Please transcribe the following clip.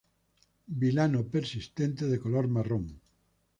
Vilano persistente, de color marrón.